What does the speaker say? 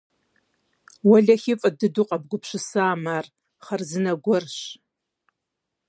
Уэлэхьи фӏы дыдэу къэбгупсысам ар, хъарзынэ гуэрщ.